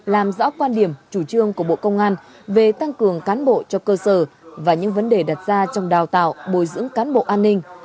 làm rõ quan điểm chủ trương của bộ công an về tăng cường cán bộ cho cơ sở và những vấn đề đặt ra trong đào tạo bồi dưỡng cán bộ an ninh